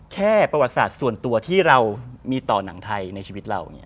แค่ประวัติศาสตร์ส่วนตัวที่เรามีต่อหนังไทยในชีวิตเรา